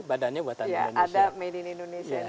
badannya buatan indonesia